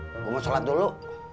mau shalat dulu